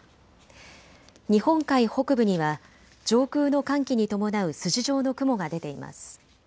日本海北部には上空の寒気に伴う筋状の雲が出ています。